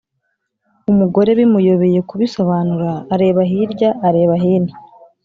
umugore bimuyobeye kubisobanura areba hirya areba hino